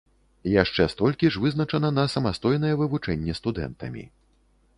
Яшчэ столькі ж вызначана на самастойнае вывучэнне студэнтамі.